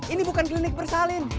ini bukan klinik bersalin